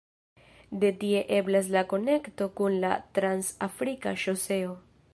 De tie eblas la konekto kun la "Trans-Afrika Ŝoseo".